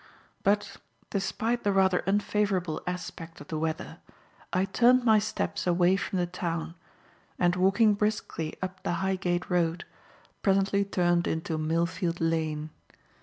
But, despite the rather unfavourable aspect of the weather, I turned my steps away from the town, and walking briskly up the Highgate Road, presently turned into Millfield Lane.